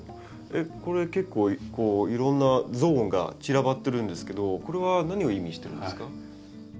えっこれ結構いろんなゾーンが散らばってるんですけどこれは何を意味してるんですか？